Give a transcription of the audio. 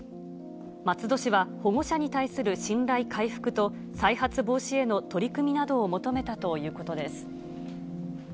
松戸市は、保護者に対する信頼回復と、再発防止への取り組みなどを求めたということです。